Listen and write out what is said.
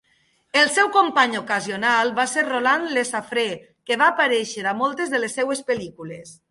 El seu company ocasional va ser Roland Lesaffre, que va aparèixer a moltes de les seves pel·lícules.